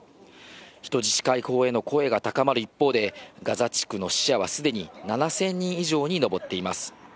人質解放への声が高まる一方で、ガザ地区の死者はすでに７０００人以上に上っています。